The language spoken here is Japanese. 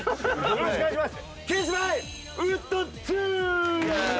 よろしくお願いします。